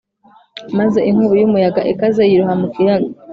maze inkubi y’umuyaga ikaze yiroha mu kiyaga